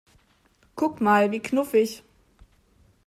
Guck mal, wie knuffig!